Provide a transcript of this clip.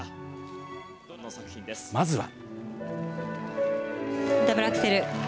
まずは。